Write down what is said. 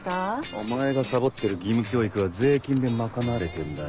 お前がサボってる義務教育は税金で賄われてんだよ。